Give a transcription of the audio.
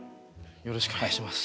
よろしくお願いします。